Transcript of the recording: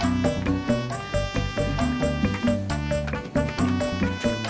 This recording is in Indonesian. sampai jumpa pak